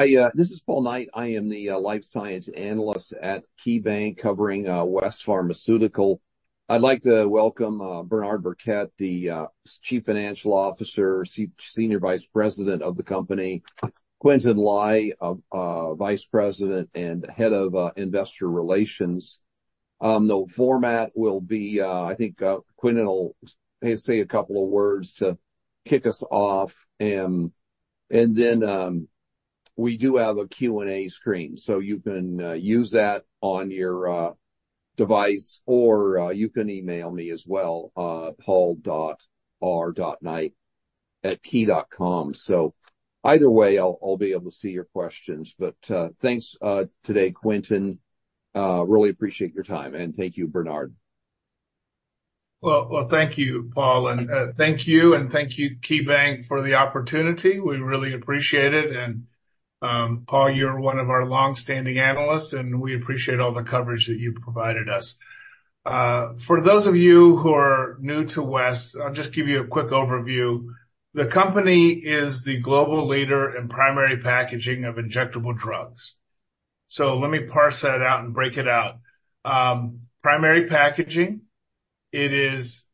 Hi, this is Paul Knight. I am the life science analyst at KeyBanc, covering West Pharmaceutical. I'd like to welcome Bernard Birkett, the Chief Financial Officer, Senior Vice President of the company. Quintin Lai, Vice President and Head of Investor Relations. The format will be, I think, Quintin will may say a couple of words to kick us off. And then, we do have a Q&A screen, so you can use that on your device, or you can email me as well, paul.r.knight@key.com. So either way, I'll be able to see your questions. But thanks today, Quintin, really appreciate your time. And thank you, Bernard. Well, thank you, Paul, and thank you, and thank you, KeyBanc, for the opportunity. We really appreciate it. And, Paul, you're one of our long-standing analysts, and we appreciate all the coverage that you've provided us. For those of you who are new to West, I'll just give you a quick overview. The company is the global leader in primary packaging of injectable drugs. So let me parse that out and break it out. Primary packaging, it is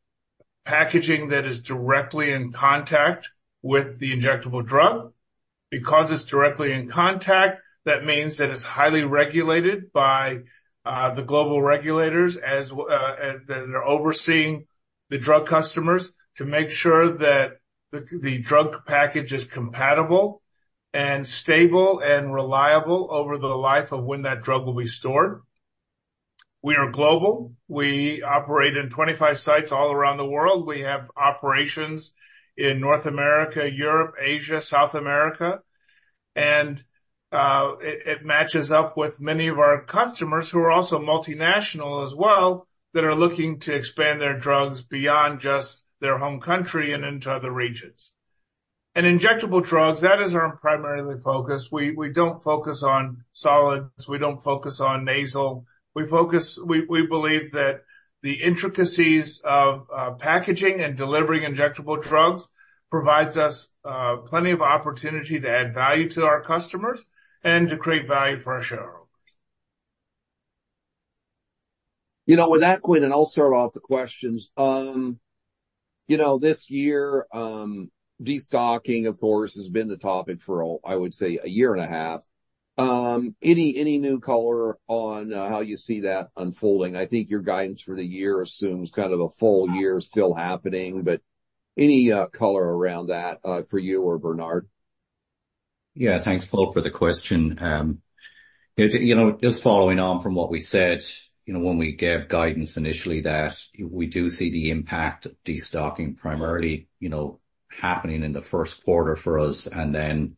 packaging that is directly in contact with the injectable drug. Because it's directly in contact, that means that it's highly regulated by the global regulators that are overseeing the drug customers to make sure that the drug package is compatible, and stable, and reliable over the life of when that drug will be stored. We are global. We operate in 25 sites all around the world. We have operations in North America, Europe, Asia, South America, and it matches up with many of our customers, who are also multinational as well, that are looking to expand their drugs beyond just their home country and into other regions. Injectable drugs, that is our primary focus. We don't focus on solids, we don't focus on nasal. We focus. We believe that the intricacies of packaging and delivering injectable drugs provides us plenty of opportunity to add value to our customers and to create value for our shareholders. You know, with that, Quintin, I'll start off the questions. You know, this year, destocking, of course, has been the topic for, I would say, a year and a half. Any, any new color on how you see that unfolding? I think your guidance for the year assumes kind of a full year still happening, but any color around that, for you or Bernard? Yeah. Thanks, Paul, for the question. You know, just following on from what we said, you know, when we gave guidance initially, that we do see the impact of destocking primarily, you know, happening in the first quarter for us, and then,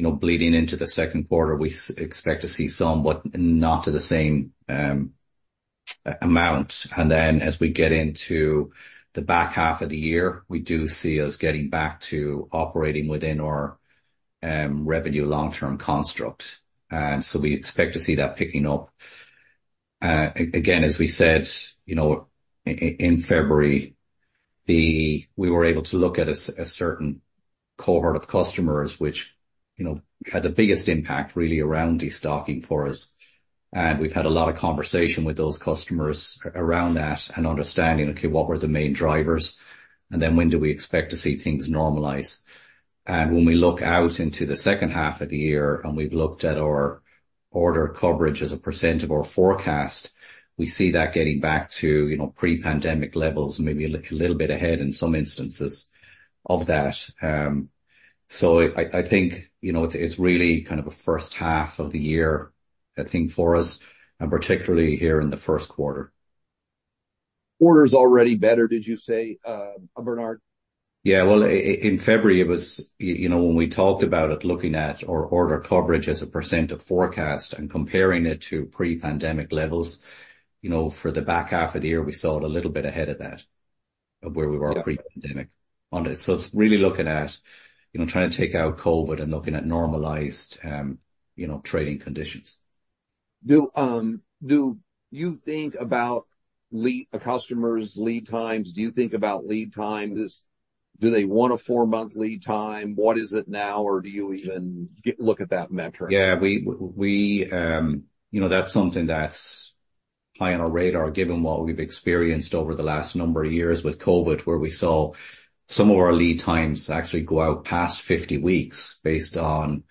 you know, bleeding into the second quarter, we expect to see some, but not to the same amount. And then as we get into the back half of the year, we do see us getting back to operating within our revenue long-term construct. And so we expect to see that picking up. Again, as we said, you know, in February, then we were able to look at a certain cohort of customers, which, you know, had the biggest impact really around destocking for us. And we've had a lot of conversation with those customers around that and understanding, okay, what were the main drivers, and then when do we expect to see things normalize? And when we look out into the second half of the year, and we've looked at our order coverage as a percent of our forecast, we see that getting back to, you know, pre-pandemic levels, maybe a little bit ahead in some instances of that. So I think, you know, it's really kind of a first half of the year, I think for us, and particularly here in the first quarter. Order is already better, did you say, Bernard? Yeah. Well, in February, it was... You know, when we talked about it, looking at our order coverage as a percent of forecast and comparing it to pre-pandemic levels, you know, for the back half of the year, we saw it a little bit ahead of that, of where we were pre-pandemic on it. So it's really looking at, you know, trying to take out COVID and looking at normalized, you know, trading conditions. Do you think about a customer's lead times? Do you think about lead times? Do they want a four-month lead time? What is it now, or do you even look at that metric? Yeah, we, we. You know, that's something that's high on our radar, given what we've experienced over the last number of years with COVID, where we saw some of our lead times actually go out past 50 weeks based on,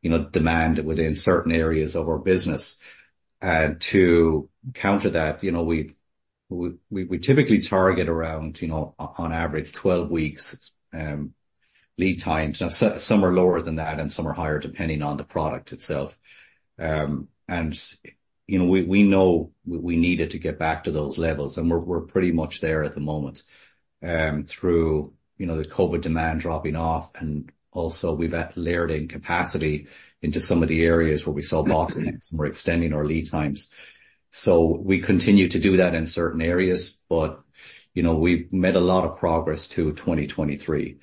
you know, demand within certain areas of our business. And to counter that, you know, we, we, we typically target around, you know, on average, 12 weeks, lead times. Now, some are lower than that, and some are higher, depending on the product itself. And, you know, we, we know we needed to get back to those levels, and we're, we're pretty much there at the moment, through, you know, the COVID demand dropping off, and also we've layered in capacity into some of the areas where we saw bottlenecks, and we're extending our lead times. We continue to do that in certain areas, but, you know, we've made a lot of progress to 2023,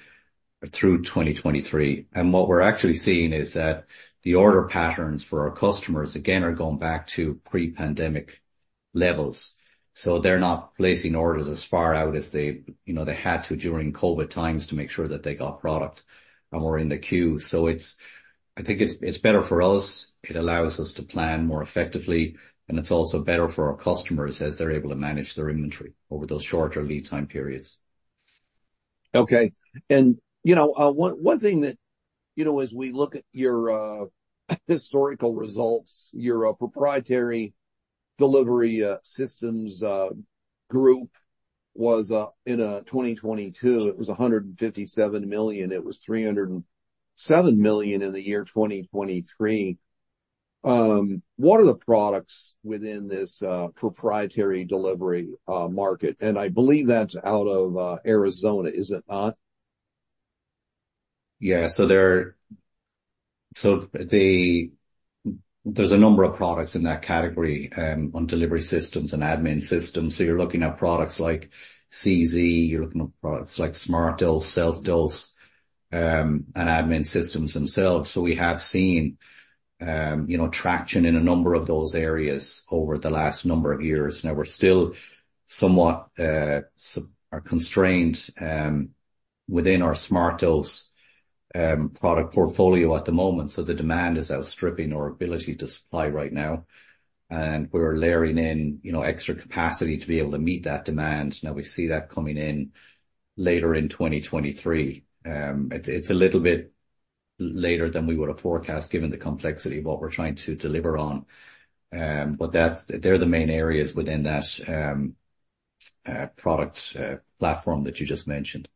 through 2023. And what we're actually seeing is that the order patterns for our customers, again, are going back to pre-pandemic levels, so they're not placing orders as far out as they, you know, they had to during COVID times to make sure that they got product and were in the queue. So it's—I think it's better for us. It allows us to plan more effectively, and it's also better for our customers as they're able to manage their inventory over those shorter lead time periods. Okay. And, you know, one thing that, you know, as we look at your historical results, your proprietary delivery systems group was in 2022, it was 157 million. It was 307 million in the year 2023. What are the products within this proprietary delivery market? And I believe that's out of Arizona, is it not? Yeah. So there's a number of products in that category on delivery systems and admin systems. So you're looking at products like CZ, you're looking at products like SmartDose, SelfDose, and admin systems themselves. So we have seen, you know, traction in a number of those areas over the last number of years. Now, we're still somewhat constrained within our SmartDose product portfolio at the moment. So the demand is outstripping our ability to supply right now, and we're layering in, you know, extra capacity to be able to meet that demand. Now, we see that coming in later in 2023. It's a little bit later than we would have forecast, given the complexity of what we're trying to deliver on. But that's they're the main areas within that product platform that you just mentioned.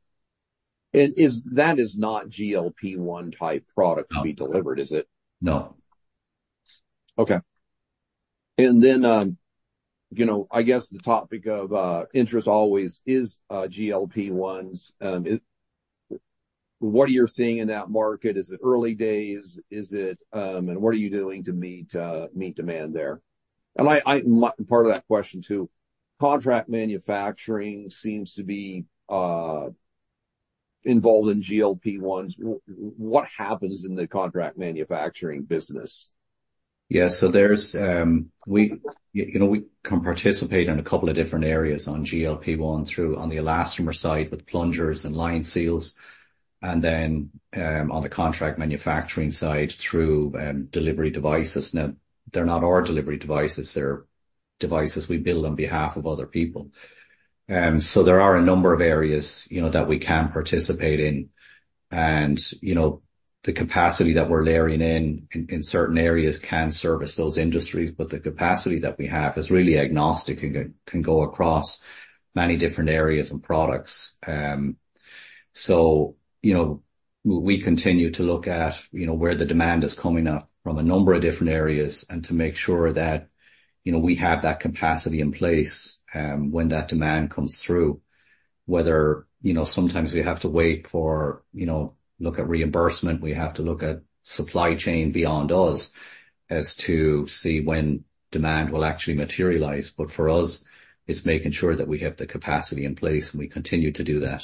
That is not GLP-1 type product to be delivered, is it? No. Okay. And then, you know, I guess the topic of interest always is GLP-1s. What are you seeing in that market? Is it early days? Is it... And what are you doing to meet meet demand there? And I, my part of that question, too, contract manufacturing seems to be involved in GLP-1s. What happens in the contract manufacturing business? Yeah. So there's, you know, we can participate in a couple of different areas on GLP-1 through, on the elastomer side with plungers and lined seals, and then, on the contract manufacturing side through, delivery devices. Now, they're not our delivery devices, they're devices we build on behalf of other people. So there are a number of areas, you know, that we can participate in. And, you know, the capacity that we're layering in in certain areas can service those industries, but the capacity that we have is really agnostic and can go across many different areas and products. So, you know, we continue to look at, you know, where the demand is coming up from a number of different areas, and to make sure that, you know, we have that capacity in place, when that demand comes through. Whether, you know, sometimes we have to wait for, you know, look at reimbursement, we have to look at supply chain beyond us as to see when demand will actually materialize. But for us, it's making sure that we have the capacity in place, and we continue to do that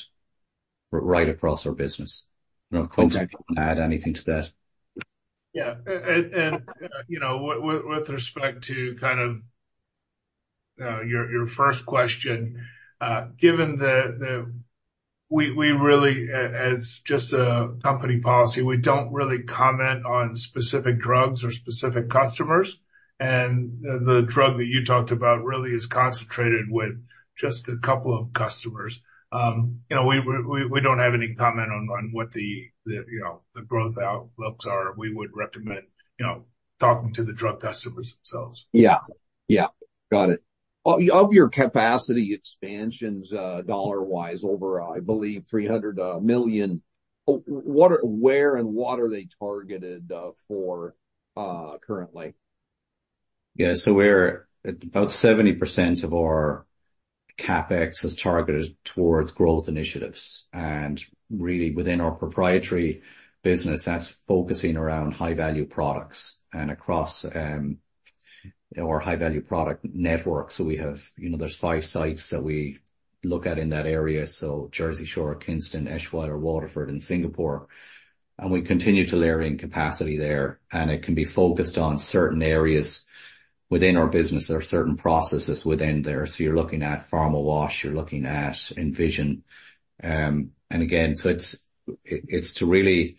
right across our business. You know, Quintin, do you want to add anything to that? Yeah. With respect to kind of your first question, given that the... We really, as just a company policy, we don't really comment on specific drugs or specific customers, and the drug that you talked about really is concentrated with just a couple of customers. You know, we don't have any comment on what the growth outlooks are. We would recommend, you know, talking to the drug customers themselves. Yeah. Yeah, got it. Of your capacity expansions, dollar-wise, over $300 million, where and what are they targeted for currently? Yeah. So we're about 70% of our CapEx is targeted towards growth initiatives, and really, within our proprietary business, that's focusing around high-value products and across our high-value product network. So we have... You know, there's five sites that we look at in that area, so Jersey Shore, Kinston, Eschweiler, Waterford, and Singapore. And we continue to layer in capacity there, and it can be focused on certain areas within our business. There are certain processes within there, so you're looking at pharma wash, you're looking at Envision. And again, so it's, it's to really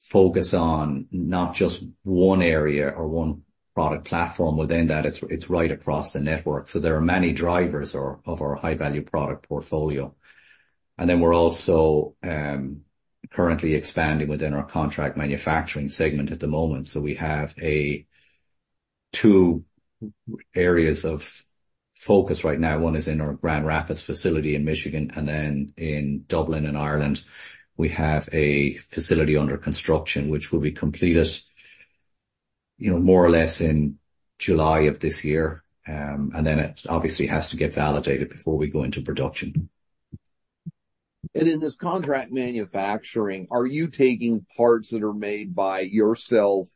focus on not just one area or one product platform within that, it's, it's right across the network. So there are many drivers or of our high-value product portfolio. And then we're also currently expanding within our contract manufacturing segment at the moment. We have two areas of focus right now. One is in our Grand Rapids facility in Michigan, and then in Dublin, in Ireland, we have a facility under construction, which will be completed, you know, more or less in July of this year. And then it obviously has to get validated before we go into production. In this contract manufacturing, are you taking parts that are made by yourself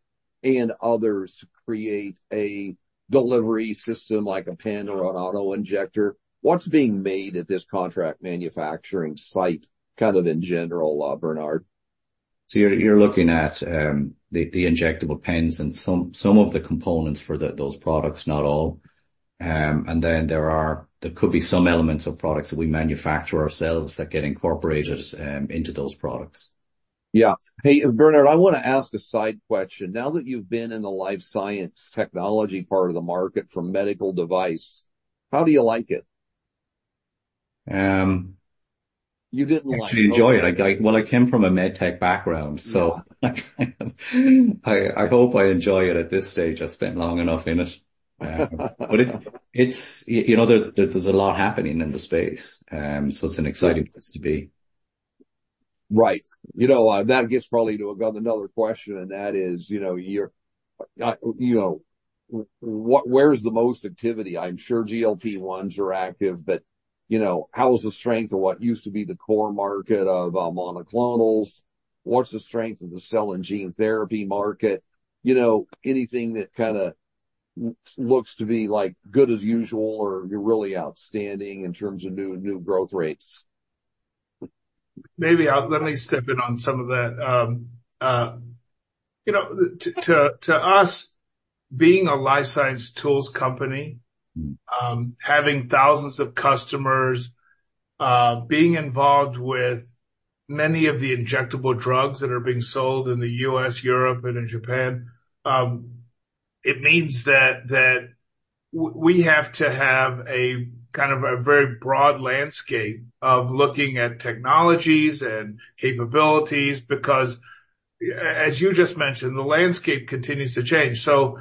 and others to create a delivery system like a pen or an auto-injector? What's being made at this contract manufacturing site, kind of in general, Bernard? ... So you're looking at the injectable pens and some of the components for those products, not all. And then there could be some elements of products that we manufacture ourselves that get incorporated into those products. Yeah. Hey, Bernard, I want to ask a side question. Now that you've been in the life science technology part of the market for medical device, how do you like it? Um- You didn't like- I enjoy it. Well, I came from a med tech background, so I hope I enjoy it at this stage. I've spent long enough in it. But it's, you know, there's a lot happening in the space, so it's an exciting place to be. Right. You know, that gets probably to another question, and that is, you know, you're, you know, where is the most activity? I'm sure GLP-1s are active, but, you know, how is the strength of what used to be the core market of, monoclonals? What's the strength of the cell and gene therapy market? You know, anything that kinda looks to be like, good as usual, or you're really outstanding in terms of new, new growth rates? Let me step in on some of that. You know, to us, being a life science tools company, having thousands of customers, being involved with many of the injectable drugs that are being sold in the U.S., Europe, and in Japan, it means that we have to have a kind of a very broad landscape of looking at technologies and capabilities, because as you just mentioned, the landscape continues to change. So,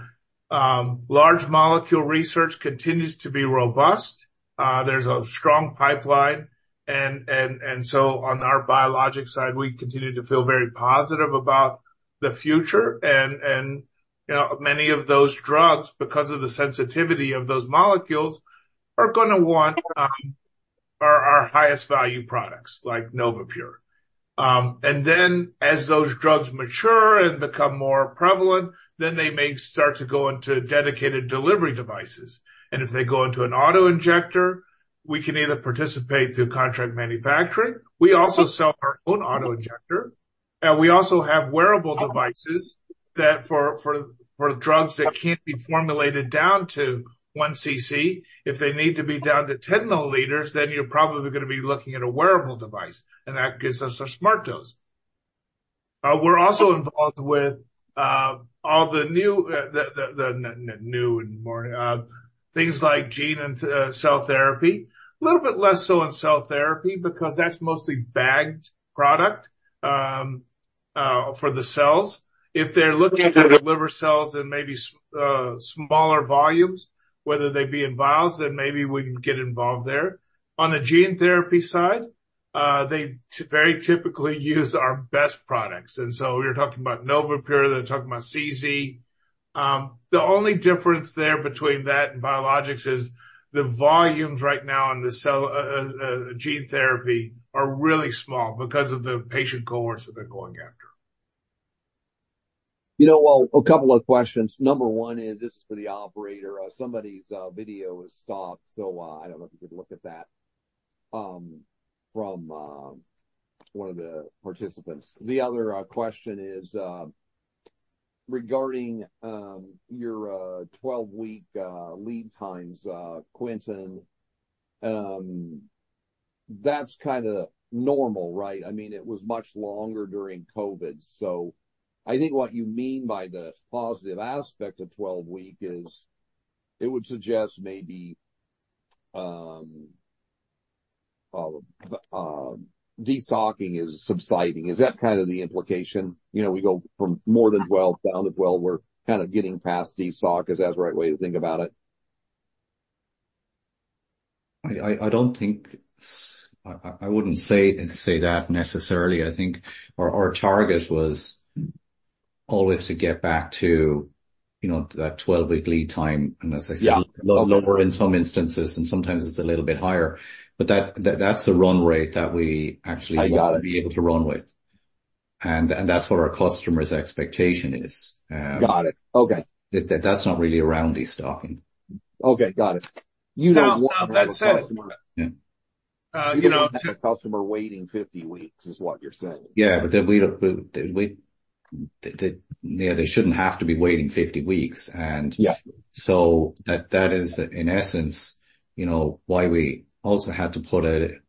large molecule research continues to be robust. There's a strong pipeline, and so on our biologic side, we continue to feel very positive about the future. And you know, many of those drugs, because of the sensitivity of those molecules, are going to want our highest value products, like NovaPure. And then as those drugs mature and become more prevalent, then they may start to go into dedicated delivery devices. And if they go into an auto-injector, we can either participate through contract manufacturing. We also sell our own auto-injector, and we also have wearable devices that for drugs that can't be formulated down to one cc, if they need to be down to 10 milliliters, then you're probably going to be looking at a wearable device, and that gives us a SmartDose. We're also involved with all the new and more things like gene and cell therapy. A little bit less so in cell therapy, because that's mostly bagged product for the cells. If they're looking to deliver cells in maybe smaller volumes, whether they be in vials, then maybe we can get involved there. On the gene therapy side, they very typically use our best products. And so you're talking about NovaPure, they're talking about CZ. The only difference there between that and biologics is the volumes right now in the cell, gene therapy are really small because of the patient cohorts that they're going after. You know what? A couple of questions. Number one is, this is for the operator. Somebody's video is stopped, so I don't know if you could look at that from one of the participants. The other question is, regarding your 12-week lead times, Quintin, that's kinda normal, right? I mean, it was much longer during COVID. So I think what you mean by the positive aspect of 12-week is it would suggest maybe destocking is subsiding. Is that kind of the implication? You know, we go from more than 12, down to 12, we're kind of getting past destock. Is that the right way to think about it? I don't think so. I wouldn't say that necessarily. I think our target was always to get back to, you know, that 12-week lead time, and as I said- Yeah... lower in some instances, and sometimes it's a little bit higher, but that, that's the run rate that we actually- I got it. want to be able to run with. And, and that's what our customer's expectation is. Got it. Okay. That's not really around destocking. Okay, got it. You know- Well, that said- Yeah. You know, a customer waiting 50 weeks is what you're saying. Yeah, they shouldn't have to be waiting 50 weeks. And- Yeah... so that, that is, in essence, you know, why we also had to put a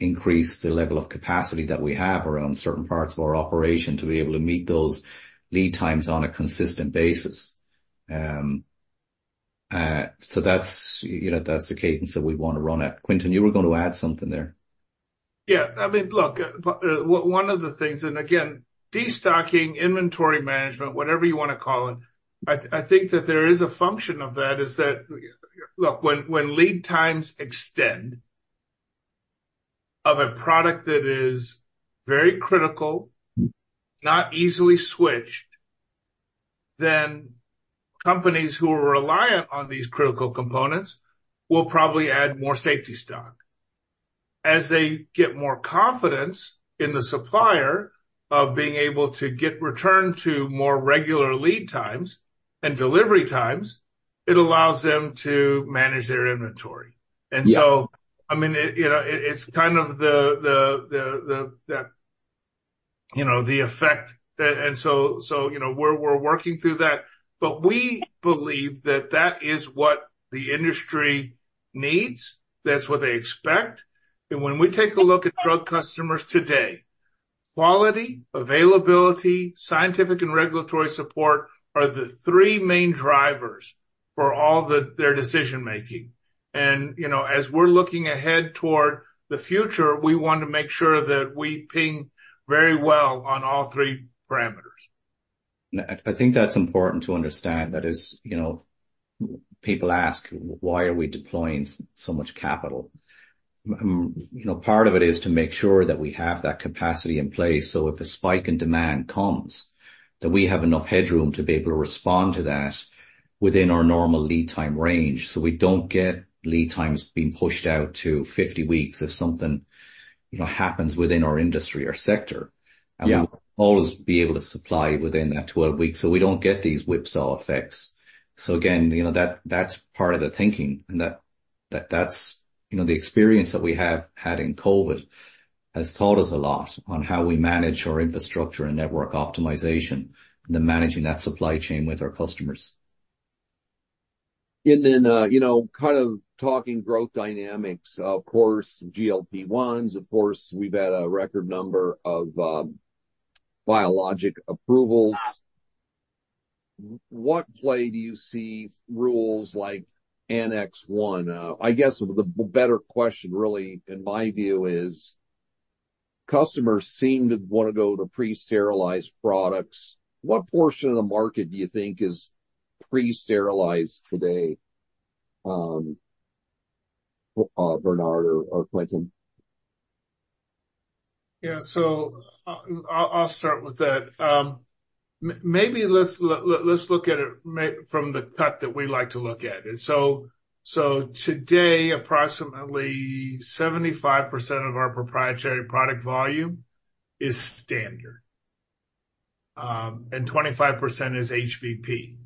increase the level of capacity that we have around certain parts of our operation to be able to meet those lead times on a consistent basis. So that's, you know, that's the cadence that we want to run at. Quintin, you were going to add something there. Yeah. I mean, look, one of the things, and again, destocking, inventory management, whatever you want to call it, I think that there is a function of that, is that, look, when lead times extend of a product that is very critical, not easily switched, then companies who are reliant on these critical components will probably add more safety stock. As they get more confidence in the supplier of being able to get returned to more regular lead times and delivery times it allows them to manage their inventory. Yeah. And so, I mean, you know, it's kind of the effect. And so, you know, we're working through that. But we believe that that is what the industry needs, that's what they expect. And when we take a look at drug customers today, quality, availability, scientific, and regulatory support are the three main drivers for all their decision-making. And, you know, as we're looking ahead toward the future, we want to make sure that we ping very well on all three parameters. And I think that's important to understand, you know, people ask, why are we deploying so much capital? You know, part of it is to make sure that we have that capacity in place, so if a spike in demand comes, that we have enough headroom to be able to respond to that within our normal lead time range. So we don't get lead times being pushed out to 50 weeks if something, you know, happens within our industry or sector. Yeah. We'll always be able to supply within that 12 weeks, so we don't get these whipsaw effects. Again, you know, that's part of the thinking and that's, you know, the experience that we have had in COVID has taught us a lot on how we manage our infrastructure and network optimization, and then managing that supply chain with our customers. And then, you know, kind of talking growth dynamics, of course, GLP-1s, of course, we've had a record number of biologic approvals. What play do you see rules like Annex 1? I guess the better question, really, in my view, is customers seem to want to go to pre-sterilized products. What portion of the market do you think is pre-sterilized today, Bernard or Quintin? Yeah, so I'll start with that. Maybe let's look at it from the way that we like to look at it. So today, approximately 75% of our proprietary product volume is standard, and 25% is HVP.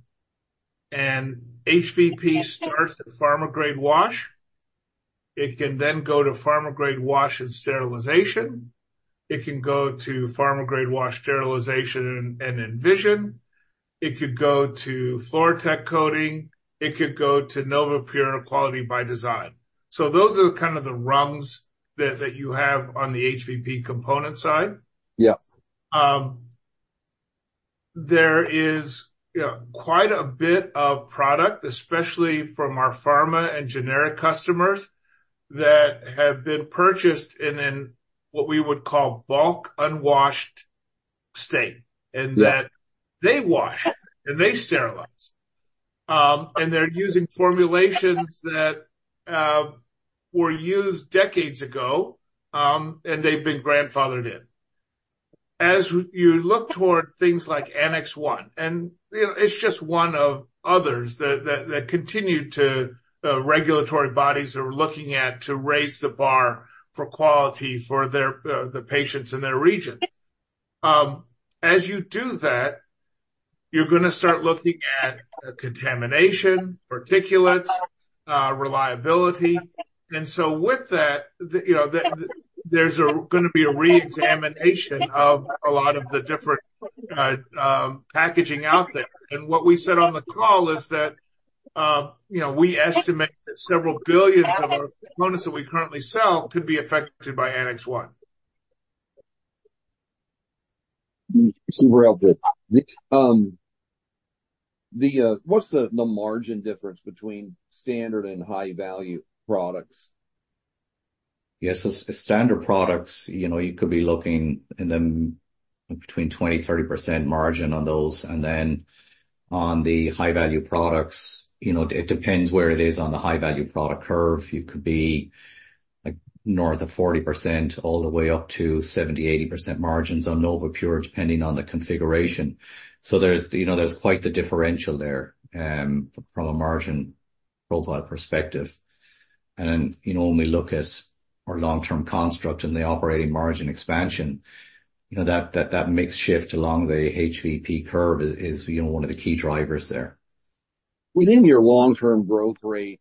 HVP starts at pharma grade wash. It can then go to pharma grade wash and sterilization. It can go to pharma grade wash, sterilization, and Envision. It could go to FluroTec coating, it could go to NovaPure quality by design. So those are kind of the rungs that you have on the HVP component side. Yeah. There is, you know, quite a bit of product, especially from our pharma and generic customers, that have been purchased in an, what we would call bulk unwashed state. Yeah. And that they wash, and they sterilize. And they're using formulations that were used decades ago, and they've been grandfathered in. As you look toward things like Annex 1, and, you know, it's just one of others that continue to, regulatory bodies are looking at to raise the bar for quality for their, the patients in their region. As you do that, you're gonna start looking at contamination, particulates, reliability. And so with that, you know, there's gonna be a re-examination of a lot of the different, packaging out there. And what we said on the call is that, you know, we estimate that several billions of our components that we currently sell could be affected by Annex 1. Super helpful. What's the margin difference between standard and high-value products? Yes, as standard products, you know, you could be looking in them between 20%-30% margin on those, and then on the high-value products, you know, it depends where it is on the high-value product curve. You could be, like, north of 40%, all the way up to 70%-80% margins on NovaPure, depending on the configuration. So there's, you know, there's quite the differential there from a margin profile perspective. And then, you know, when we look at our long-term construct and the operating margin expansion, you know, that mix shift along the HVP curve is, you know, one of the key drivers there. Within your long-term growth rate,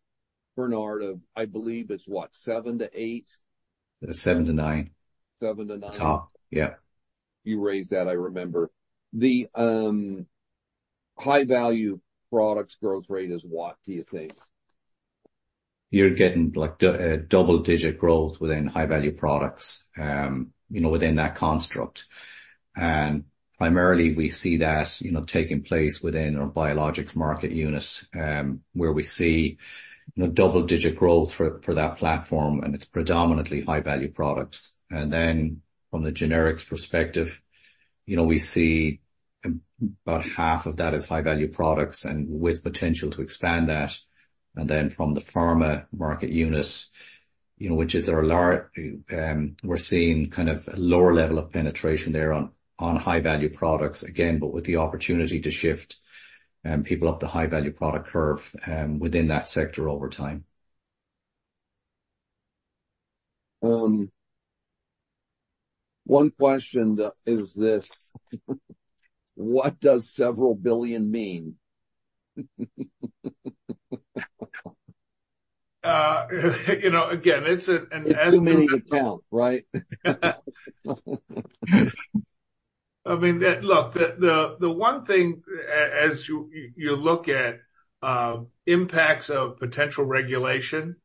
Bernard, of, I believe it's what? seven-eight. seven-nine. seven-nine. Top. Yeah. You raised that, I remember. The high-value products growth rate is what, do you think? You're getting, like, double-digit growth within high-value products, you know, within that construct. And primarily, we see that, you know, taking place within our biologics market unit, where we see, you know, double-digit growth for that platform, and it's predominantly high-value products. And then from the generics perspective, you know, we see about half of that is high-value products and with potential to expand that. And then from the pharma market unit, you know, which is our large, we're seeing kind of a lower level of penetration there on high-value products again, but with the opportunity to shift, people up the high-value product curve, within that sector over time.... One question that is this, what does several billion mean? You know, again, it's an It's too many to count, right? I mean, that-- look, the one thing as you look at impacts of potential regulation,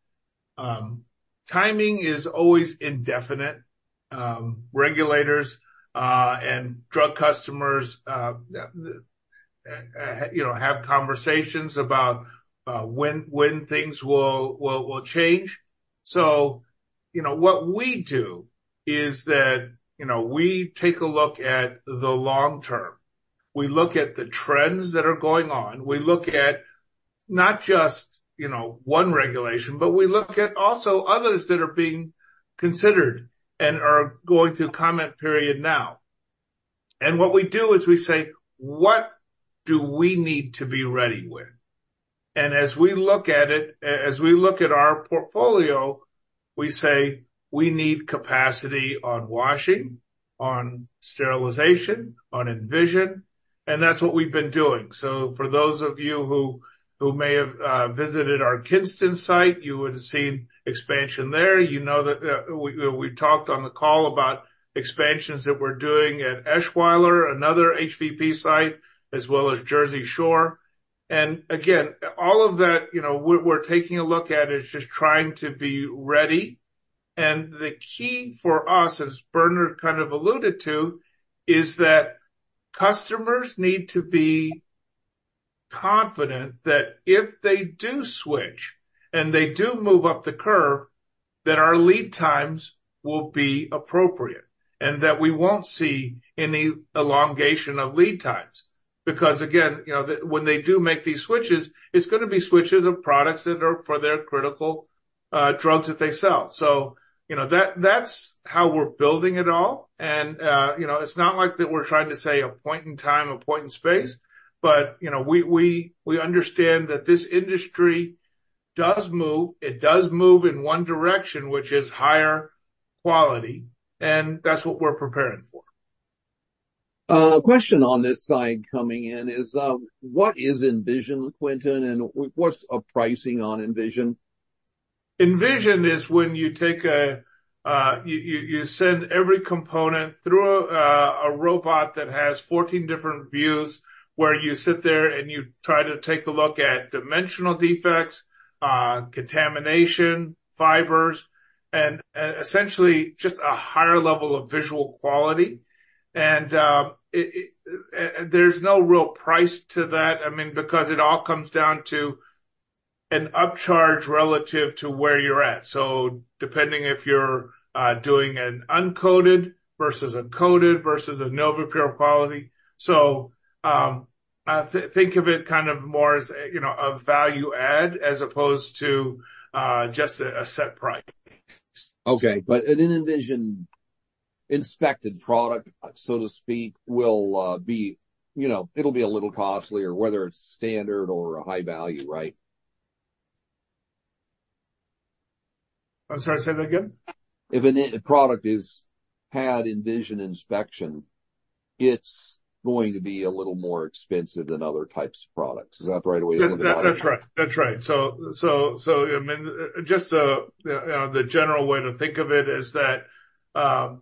timing is always indefinite. Regulators and drug customers, you know, have conversations about when things will change. So, you know, what we do is that, you know, we take a look at the long term. We look at the trends that are going on. We look at not just, you know, one regulation, but we look at also others that are being considered and are going through comment period now. And what we do is we say: What do we need to be ready with? And as we look at it, as we look at our portfolio, we say we need capacity on washing, on sterilization, on Envision, and that's what we've been doing. So for those of you who, who may have visited our Kinston site, you would have seen expansion there. You know that we, we talked on the call about expansions that we're doing at Eschweiler, another HVP site, as well as Jersey Shore. And again, all of that, you know, we're taking a look at is just trying to be ready. And the key for us, as Bernard kind of alluded to, is that customers need to be confident that if they do switch and they do move up the curve, that our lead times will be appropriate and that we won't see any elongation of lead times. Because, again, you know, the when they do make these switches, it's gonna be switches of products that are for their critical drugs that they sell. So, you know, that, that's how we're building it all. You know, it's not like that we're trying to say a point in time, a point in space, but, you know, we understand that this industry does move. It does move in one direction, which is higher quality, and that's what we're preparing for. A question on this side coming in is: What is Envision, Quintin, and what's a pricing on Envision? Envision is when you take a... You send every component through a robot that has 14 different views, where you sit there and you try to take a look at dimensional defects, contamination, fibers, and essentially just a higher level of visual quality. And there's no real price to that, I mean, because it all comes down to an upcharge relative to where you're at. So depending if you're doing an uncoated versus a coated versus a NovaPure quality. So think of it kind of more as, you know, a value add, as opposed to just a set price. Okay, but an Envision inspected product, so to speak, will be, you know, it'll be a little costlier, whether it's standard or a high value, right? I'm sorry, say that again? If a product has Envision inspection, it's going to be a little more expensive than other types of products. Is that the right way to look at that? That's right. That's right. So, I mean, just, you know, the general way to think of it is that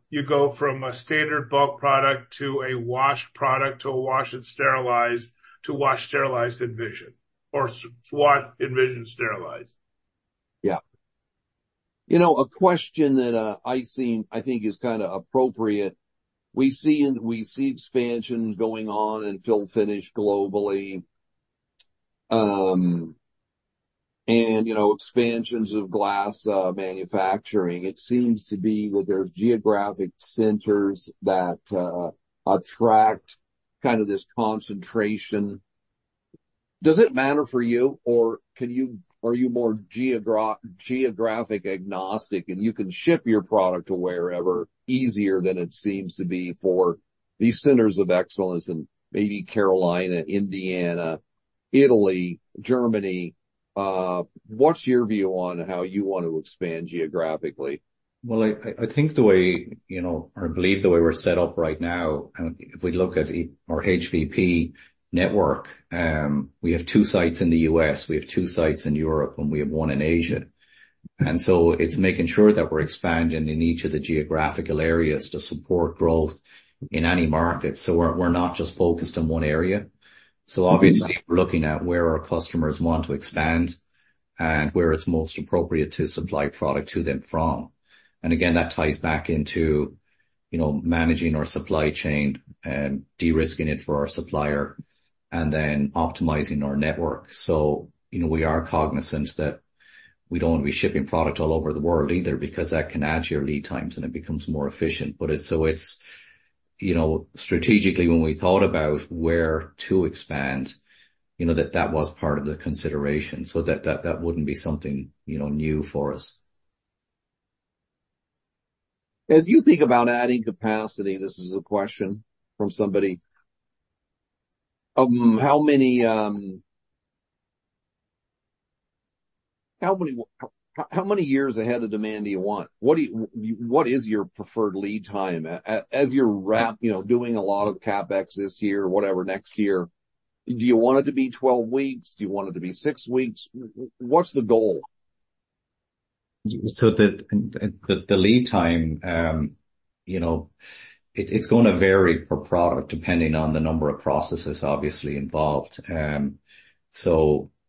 you go from a standard bulk product to a washed product, to a washed and sterilized, to washed, sterilized, Envision, or washed, Envision, sterilized. Yeah. You know, a question that I seen, I think is kinda appropriate: We see expansions going on in fill finish globally, and, you know, expansions of glass manufacturing. It seems to be that there's geographic centers that attract kind of this concentration. Does it matter for you, or are you more geographic agnostic, and you can ship your product to wherever easier than it seems to be for these centers of excellence in maybe Carolina, Indiana, Italy, Germany? What's your view on how you want to expand geographically? Well, I think the way, you know, or I believe the way we're set up right now, and if we look at our HVP network, we have two sites in the U.S., we have two sites in Europe, and we have one in Asia. And so it's making sure that we're expanding in each of the geographical areas to support growth in any market. So we're not just focused on one area. So obviously, we're looking at where our customers want to expand and where it's most appropriate to supply product to them from. And again, that ties back into, you know, managing our supply chain and de-risking it for our supplier and then optimizing our network. So, you know, we are cognizant that we don't want to be shipping product all over the world either, because that can add to your lead times, and it becomes more efficient. But it's so it's, you know, strategically, when we thought about where to expand, you know, that that was part of the consideration. So that, that, that wouldn't be something, you know, new for us. As you think about adding capacity, this is a question from somebody, how many years ahead of demand do you want? What do you, what is your preferred lead time? As you're ramping, you know, doing a lot of CapEx this year, whatever, next year, do you want it to be 12 weeks? Do you want it to be 6 weeks? What's the goal? The lead time, you know, it's going to vary per product, depending on the number of processes obviously involved.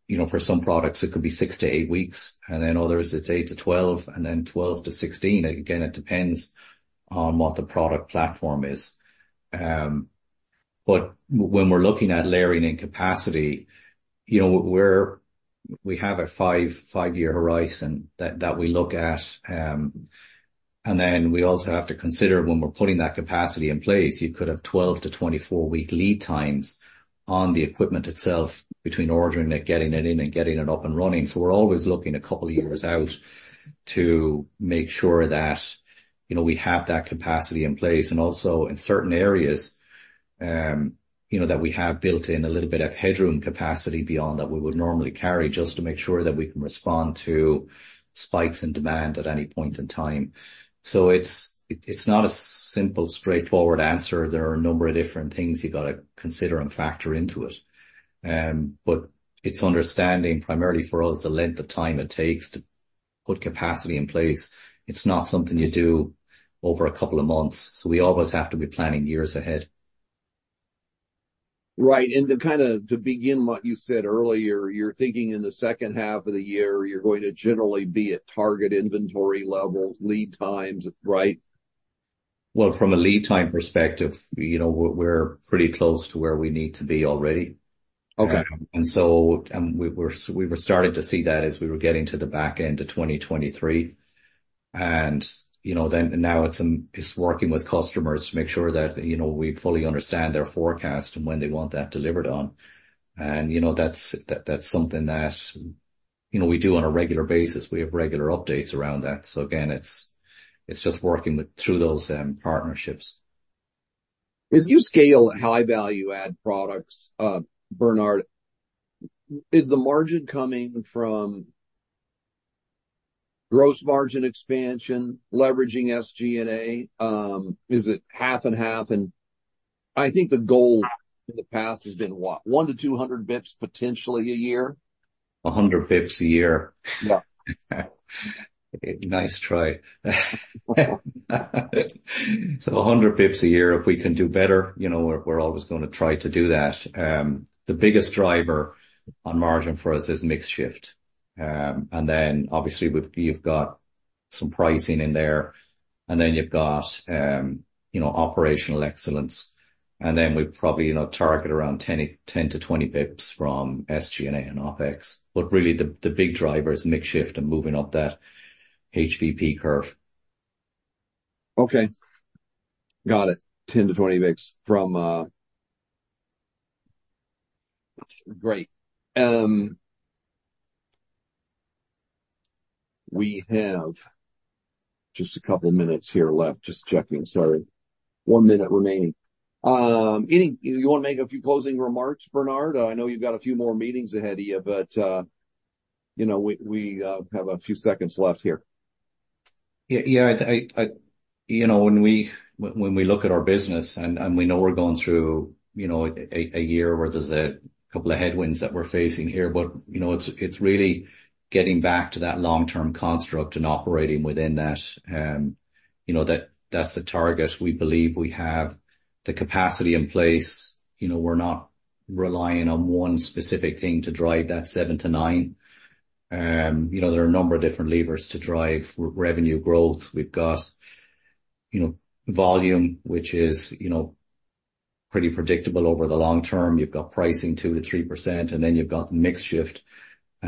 You know, for some products, it could be six-eight weeks, and then others it's 8-12, and then 12-16. Again, it depends on what the product platform is. But when we're looking at layering in capacity, you know, we have a five-year horizon that we look at. And then we also have to consider when we're putting that capacity in place, you could have 12-24-week lead times on the equipment itself between ordering it, getting it in, and getting it up and running. So we're always looking a couple of years out to make sure that, you know, we have that capacity in place, and also in certain areas, you know, that we have built in a little bit of headroom capacity beyond that we would normally carry, just to make sure that we can respond to spikes in demand at any point in time. So it's, it's not a simple, straightforward answer. There are a number of different things you've got to consider and factor into it. But it's understanding, primarily for us, the length of time it takes to put capacity in place. It's not something you do over a couple of months, so we always have to be planning years ahead. Right. And to kinda, to begin what you said earlier, you're thinking in the second half of the year, you're going to generally be at target inventory levels, lead times, right? Well, from a lead time perspective, you know, we're pretty close to where we need to be already. Okay. And so, we were starting to see that as we were getting to the back end of 2023. And, you know, then now it's, it's working with customers to make sure that, you know, we fully understand their forecast and when they want that delivered on. And, you know, that's something that, you know, we do on a regular basis. We have regular updates around that. So again, it's just working with through those partnerships. As you scale high value add products, Bernard, is the margin coming from gross margin expansion, leveraging SG&A? Is it half and half? And I think the goal in the past has been, what? 100-200 basis points, potentially a year. 100 basis points a year. Yeah. Nice try. So 100 basis points a year, if we can do better, you know, we're always gonna try to do that. The biggest driver on margin for us is mix shift. And then obviously, we've—you've got some pricing in there, and then you've got, you know, operational excellence. And then we probably, you know, target around 10-20 basis points from SG&A and OpEx. But really, the big driver is mix shift and moving up that HVP curve. Okay, got it. 10-20 bips from... Great. We have just a couple of minutes here left. Just checking. Sorry. One minute remaining. Any, you want to make a few closing remarks, Bernard? I know you've got a few more meetings ahead of you, but, you know, we have a few seconds left here. Yeah, yeah, you know, when we look at our business and we know we're going through, you know, a year where there's a couple of headwinds that we're facing here, but, you know, it's really getting back to that long-term construct and operating within that. You know, that's the target. We believe we have the capacity in place. You know, we're not relying on one specific thing to drive that 7-9. You know, there are a number of different levers to drive revenue growth. We've got, you know, volume, which is, you know, pretty predictable over the long term. You've got pricing 2%-3%, and then you've got mix shift.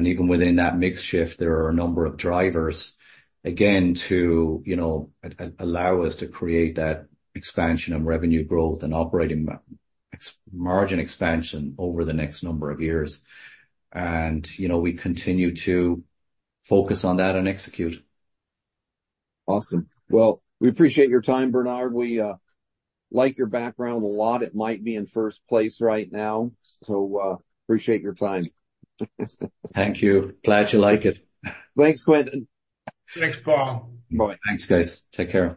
Even within that mix shift, there are a number of drivers, again, to, you know, allow us to create that expansion of revenue growth and OpEx margin expansion over the next number of years. You know, we continue to focus on that and execute. Awesome. Well, we appreciate your time, Bernard. We like your background a lot. It might be in first place right now, so appreciate your time. Thank you. Glad you like it. Thanks, Quentin. Thanks, Paul. Bye. Thanks, guys. Take care.